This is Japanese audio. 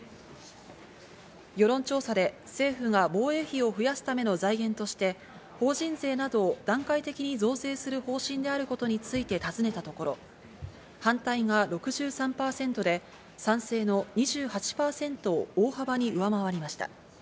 世論調査で政府が防衛費を増やすための財源として法人税などを段階的に増税する方針であることについてたずねたところ、反対が６３％で賛成の２８％を大幅に上回りました。